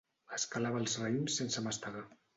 Es calava els raïms sense mastegar.